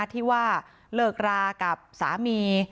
ที่ว่าเลิกรากับสามี